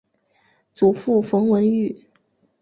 祖父冯文玉。